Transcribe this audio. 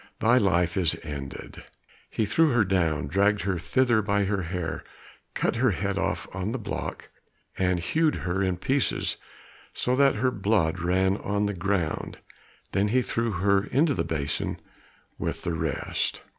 Thy life is ended." He threw her down, dragged her thither by her hair, cut her head off on the block, and hewed her in pieces so that her blood ran on the ground. Then he threw her into the basin with the rest.